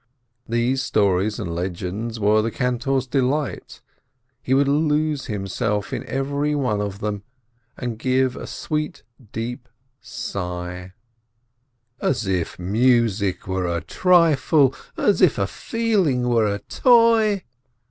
These stories and legends were the cantor's delight, he would lose himself in every one of them, and give a sweet, deep sigh: "As if music were a trifle! As if a feeling were a toy